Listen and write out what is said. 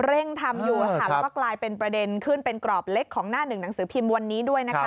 เร่งทำอยู่แล้วก็กลายเป็นประเด็นขึ้นเป็นกรอบเล็กของหน้าหนึ่งหนังสือพิมพ์วันนี้ด้วยนะคะ